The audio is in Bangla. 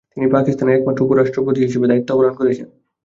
তিনি পাকিস্তানের একমাত্র উপরাষ্ট্রপতি হিসেবে দায়িত্ব পালন করেছেন।